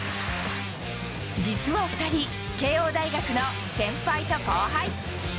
実は、２人慶應大学の先輩と後輩。